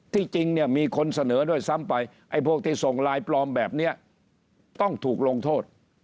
จริงเนี่ยมีคนเสนอด้วยซ้ำไปไอ้พวกที่ส่งไลน์ปลอมแบบนี้ต้องถูกลงโทษ